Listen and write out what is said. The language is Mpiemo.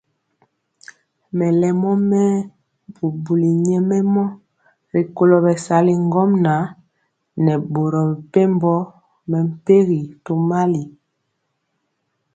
Melemɔ mɛɛ bubuli nyɛmemɔ rikolo bɛsali ŋgomnaŋ nɛ boro mepempɔ mɛmpegi tomali.